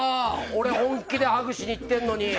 俺、本気でハグしにいってんのに。